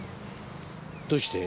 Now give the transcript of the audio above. どうして？